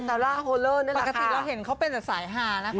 ซาร่าโฮเลอร์นั่นแหละค่ะปกติเราเห็นเขาเป็นสายหานะคุณผู้ชม